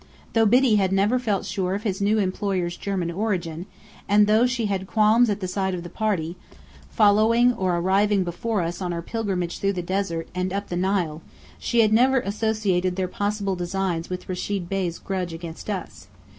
Though Biddy had never felt sure of his new employers' German origin, and though she had had qualms at sight of the party, following or arriving before us on our pilgrimage through the desert and up the Nile, she had never associated their possible designs with Rechid Bey's grudge against us.